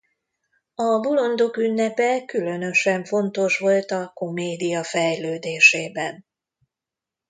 A Bolondok Ünnepe különösen fontos volt a komédia fejlődésében.